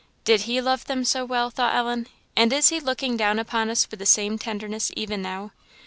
Did He love them so well? thought Ellen, and is He looking down upon us with the same tenderness even now?